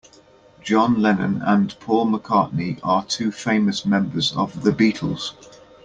John Lennon and Paul McCartney are two famous members of the Beatles.